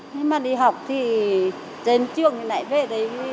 nhưng mà đi học thì đến trường thì lại về đấy